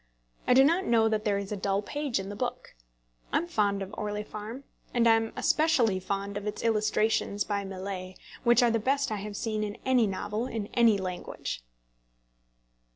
I do not know that there is a dull page in the book. I am fond of Orley Farm; and am especially fond of its illustrations by Millais, which are the best I have seen in any novel in any language.